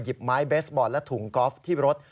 ไม้เบสบอลและถุงกอล์ฟที่รถ